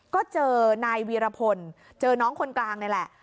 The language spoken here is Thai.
ก็เจอนายวีรพลเจอน้องคนกลางนี่แหละ